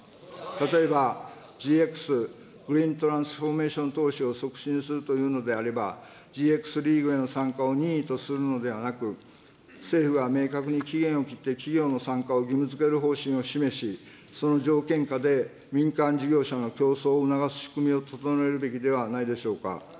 例えば、ＧＸ・グリーントランスフォーメーション投資を促進するというのであれば、ＧＸリーグへの参加を任意とするのではなく、政府が明確に期限を切って、企業の参加を義務づける方針を示し、その条件下で民間事業者の競争を促す仕組みを整えるべきではないでしょうか。